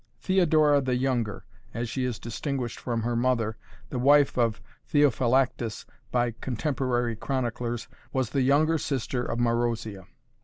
Theodora the younger, as she is distinguished from her mother, the wife of Theophylactus, by contemporary chroniclers, was the younger sister of Marozia.